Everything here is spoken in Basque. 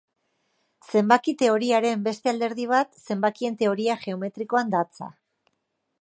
Zenbaki-teoriaren beste alderdi bat zenbakien teoria geometrikoan datza.